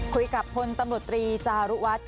คุยกับพลตำรวจตรีจารุวัฒน์